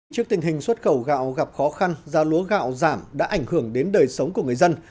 trước tình hình xuất khẩu gạo gặp khó khăn giá lúa gạo giảm đã ảnh hưởng đến đời sống của người dân